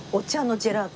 ジェラート。